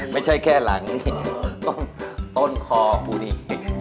ไม่ใช่แค่หลังต้นคอผู้นี้